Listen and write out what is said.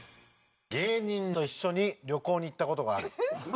芸人と一緒に旅行に行った事がある。